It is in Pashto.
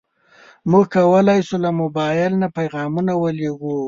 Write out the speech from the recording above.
موږ کولی شو له موبایل نه پیغامونه ولېږو.